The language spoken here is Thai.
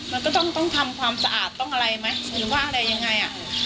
มันก็ต้องทำความสะอาดต้องอะไรไหมหรือว่าอะไรยังไง